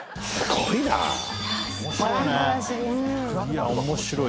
いや面白いわ。